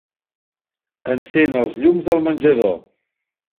Encén els llums del menjador.